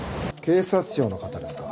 警察庁の方ですか。